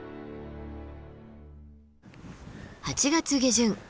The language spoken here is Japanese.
８月下旬。